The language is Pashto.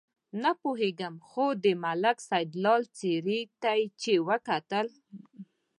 نه پوهېږم خو د ملک سیدلال څېرې ته چې وکتل.